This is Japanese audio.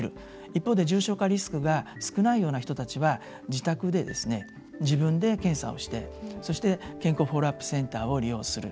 一方で、重症化リスクが少ないような人たちは自宅で自分で検査をして、そして健康フォローアップセンターを利用する。